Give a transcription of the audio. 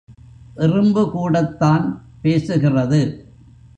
எறும்பு கூடத்தான் பேசுகிறது.